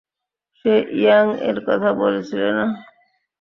যে ইয়াং এর কথা বলেছিলে না?